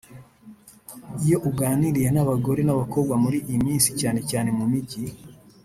Iyo uganiriye n’abagore n’abakobwa muri iyi minsi cyane cyane mu mijyi